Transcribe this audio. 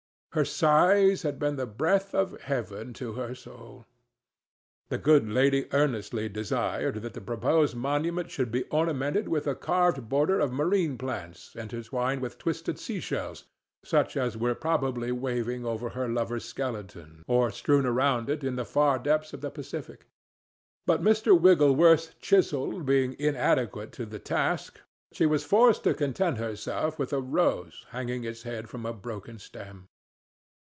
Her sighs had been the breath of Heaven to her soul. The good lady earnestly desired that the proposed monument should be ornamented with a carved border of marine plants interwined with twisted sea shells, such as were probably waving over her lover's skeleton or strewn around it in the far depths of the Pacific. But, Mr. Wigglesworth's chisel being inadequate to the task, she was forced to content herself with a rose hanging its head from a broken stem.